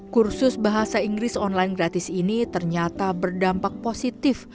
kursus bahasa inggris online gratis ini ternyata berdampak positif